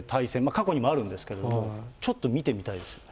過去にもあるんですけど、ちょっと見てみたいですよね。